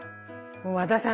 和田さん